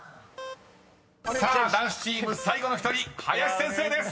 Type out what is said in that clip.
［さあ男子チーム最後の１人林先生です！］